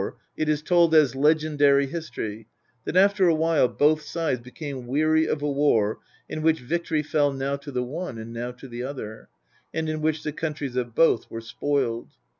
it is told as legendary history that after a while both sides became weary of a war in which victory fell now to the one and now to the other, and in which the countries of both were spoiled.